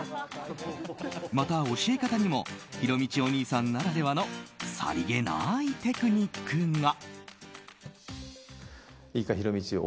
また、教え方にもひろみちお兄さんならではのさりげないテクニックが。